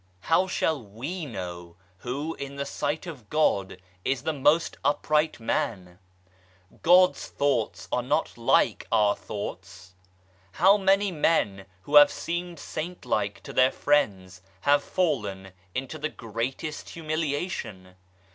How shall we know who, in the Sight of God, is the most upright man ? God's thoughts are not like our thoughts ! How many men who have seemed saint like to their friends have fallen into the greatest humiliation.